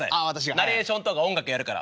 ナレーションとか音楽やるから。